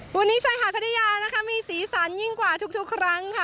วันนี้ชายหาดพัทยานะคะมีสีสันยิ่งกว่าทุกครั้งค่ะ